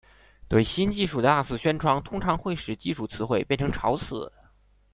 对新技术的大肆宣传通常会使技术词汇变成潮词。